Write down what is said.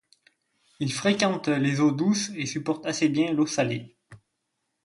Il fréquente les eaux douces et supporte assez bien l'eau salée.